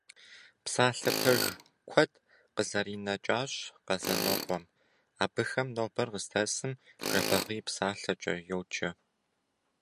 Псалъэ пэж куэд къызэринэкӀащ Къэзанокъуэм, абыхэм нобэр къыздэсым Жэбагъы и псалъэкӀэ йоджэ.